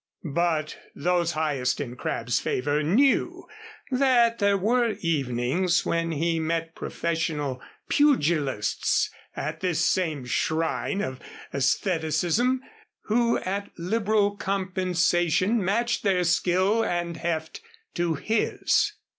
But those highest in Crabb's favor knew that there were evenings when he met professional pugilists at this same shrine of æstheticism, who, at liberal compensation, matched their skill and heft to his.